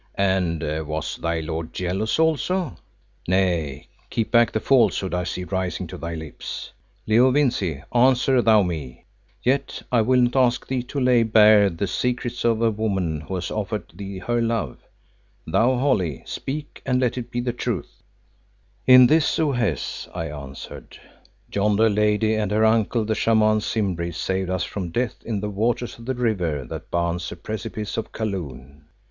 And was thy lord jealous also? Nay, keep back the falsehood I see rising to thy lips. Leo Vincey, answer thou me. Yet, I will not ask thee to lay bare the secrets of a woman who has offered thee her love. Thou, Holly, speak, and let it be the truth." "It is this, O Hes," I answered. "Yonder lady and her uncle the Shaman Simbri saved us from death in the waters of the river that bounds the precipices of Kaloon.